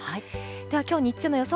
ではきょう日中の予想